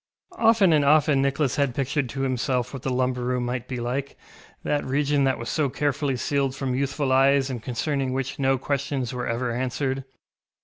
Often and often Nicholas had pictured to himself what the lumber room might be like, that region that was so carefully sealed from youthful eyes and concerning which no questions were ever answered.